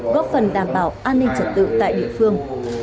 góp phần đảm bảo an ninh trật tự tại địa phương